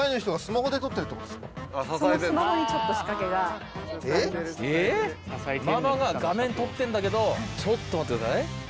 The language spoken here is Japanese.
ママが画面撮ってんだけどちょっと待ってください。